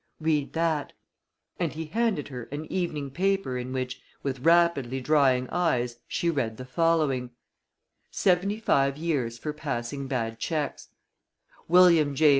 Read that." And he handed her an evening paper in which, with rapidly drying eyes, she read the following: SEVENTY FIVE YEARS FOR PASSING BAD CHECKS William J.